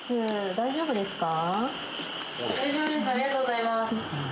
大丈夫ですか？